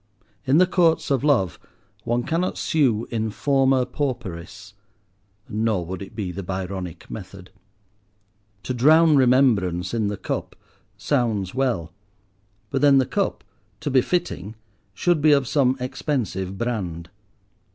In the Courts of Love one cannot sue in formâ pauperis; nor would it be the Byronic method. "To drown remembrance in the cup" sounds well, but then the "cup," to be fitting, should be of some expensive brand.